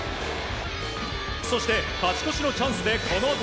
そして勝ち越しのチャンスでこの男